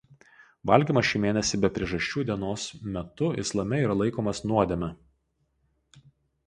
Valgymas šį mėnesį be priežasčių dienos metu islame yra laikomas nuodėme.